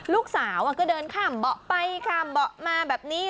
ลูกสาวก็เดินข้ามเบาะไปข้ามเบาะมาแบบนี้